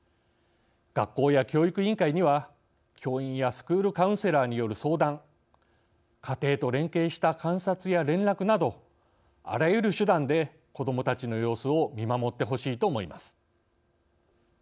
学校や教育委員会には教員やスクールカウンセラーによる相談家庭と連携した観察や連絡などあらゆる手段で子どもたちの様子を見守ってほしいと思います。